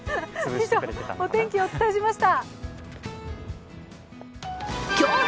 お天気、お伝えしました。